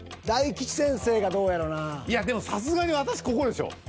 大吉先生がどうやろなぁ？いやでもさすがに私ここでしょ。